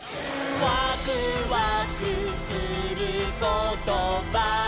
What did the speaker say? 「ワクワクすることばかり」